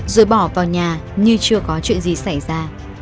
rồi bỏ vào nhà như chưa có chuyện gì xảy ra